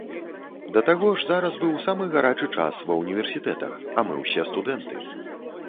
Да таго ж, зараз быў самы гарачы час ва ўніверсітэтах, а мы ўсе студэнты.